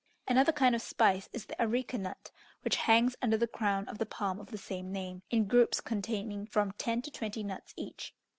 Another kind of spice is the areca nut, which hangs under the crown of the palm of the same name, in groups containing from ten to twenty nuts each.